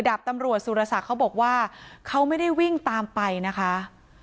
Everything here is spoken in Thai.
ดาบตำรวจสุรศักดิ์เขาบอกว่าเขาไม่ได้วิ่งตามไปนะคะ